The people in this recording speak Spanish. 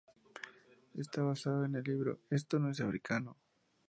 Está basado en el libro "¡Esto no es africano!